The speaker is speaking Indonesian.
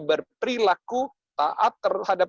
berperilaku taat terhadap